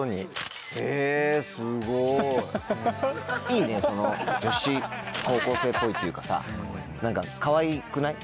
いいね女子高校生っぽいというかさかわいくない？